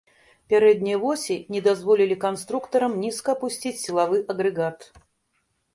Пярэднія восі не дазволілі канструктарам нізка апусціць сілавы агрэгат.